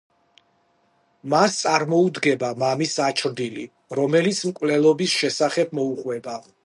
მას წარმოუდგება მამის აჩრდილი, რომელიც მკვლელობის შესახებ მოუყვება.